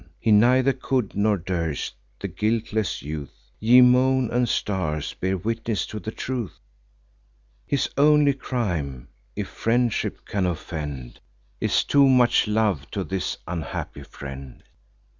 He neither could nor durst, the guiltless youth: Ye moon and stars, bear witness to the truth! His only crime (if friendship can offend) Is too much love to his unhappy friend."